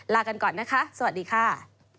ลากันก่อนนะคะสวัสดีค่ะ